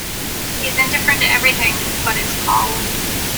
He is indifferent to everything but his calling.